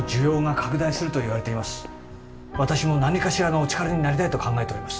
私も何かしらのお力になりたいと考えております。